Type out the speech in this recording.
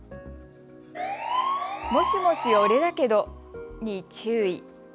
もしもし、オレだけどに注意。